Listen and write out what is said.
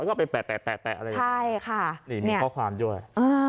ก็ไปแปะอะไรมีข้อความด้วย